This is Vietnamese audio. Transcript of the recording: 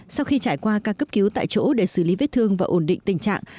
sau khi trải qua các cấp cứu tại chỗ để xử lý vết thương và ổn định tình trạng